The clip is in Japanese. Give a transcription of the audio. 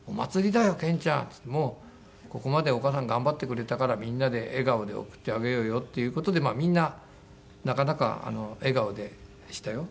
「もうここまでお母さん頑張ってくれたからみんなで笑顔で送ってあげようよ」っていう事でみんななかなか笑顔でしたよ。